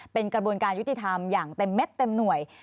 เป็นกระบวนการยุติธรรมอย่างเต็มเม็ดเต็มหน่วย